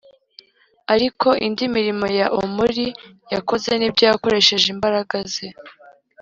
Ariko indi mirimo ya Omuri yakoze n’ibyo yakoresheje imbaraga ze